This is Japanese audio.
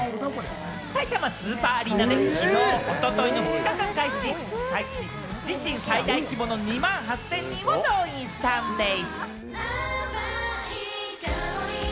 さいたまスーパーアリーナできのう、おとといの２日間開催し、自身最大規模の２万８０００人を動員したんでぃす！